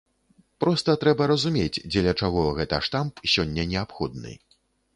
Проста трэба разумець, дзеля чаго гэта штамп сёння неабходны.